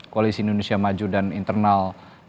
koalisi indonesia maju dan internal